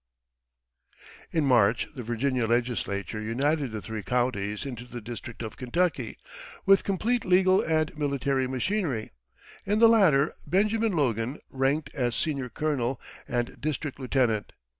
In March the Virginia legislature united the three counties into the District of Kentucky, with complete legal and military machinery; in the latter, Benjamin Logan ranked as senior colonel and district lieutenant.